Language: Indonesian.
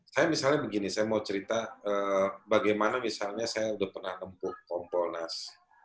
saya misalnya begini saya mau cerita bagaimana misalnya saya sudah pernah tempuh komponas